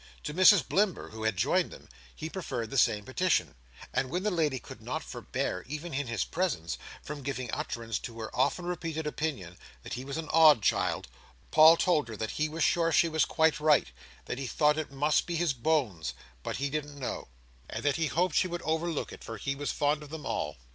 To Mrs Blimber, who had joined them, he preferred the same petition: and when that lady could not forbear, even in his presence, from giving utterance to her often repeated opinion, that he was an odd child, Paul told her that he was sure she was quite right; that he thought it must be his bones, but he didn't know; and that he hoped she would overlook it, for he was fond of them all.